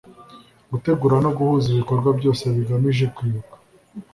gutegura no guhuza ibikorwa byose bigamije kwibuka